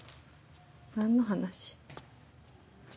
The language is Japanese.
何の話？